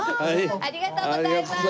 ありがとうございます。